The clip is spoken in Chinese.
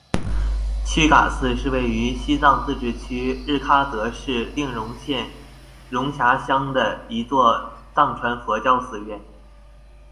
曲嘎寺是位于西藏自治区日喀则市定日县绒辖乡的一座藏传佛教寺院。